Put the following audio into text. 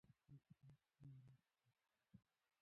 موږ باید ښه میراث پریږدو.